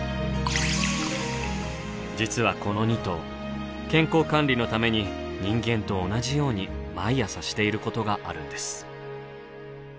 実はこの２頭健康管理のために人間と同じように毎朝していることがあるんです。